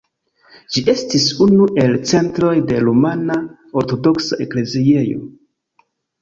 Ĝi estis unu el centroj de rumana ortodoksa ekleziejo.